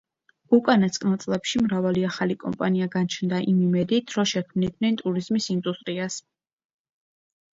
უკანასკნელ წლებში მრავალი ახალი კომპანია გაჩნდა იმ იმედით, რომ შექმნიდნენ ტურიზმის ინდუსტრიას.